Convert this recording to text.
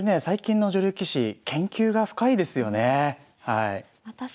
最近の女流棋士研究が深いですよね。